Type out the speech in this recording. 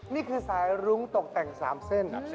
นี่คือสายรุ้งตกแต่ง๓เส้น